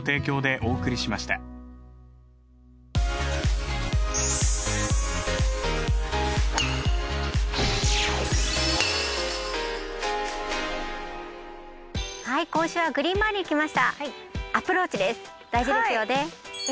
大事ですよね？